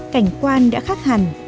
cảnh quan đã khác hẳn